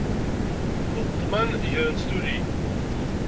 D ṭṭman gren-tt tuli.